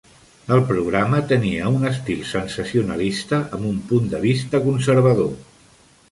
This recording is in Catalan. El programa tenia un estil sensacionalista, amb un punt de vista conservador.